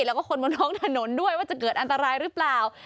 แล้วก็คนบนท้องถนนด้วยว่าจะเกิดอันตรายหรือเปล่า